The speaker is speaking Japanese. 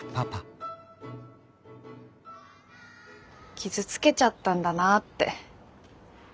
傷つけちゃったんだなって。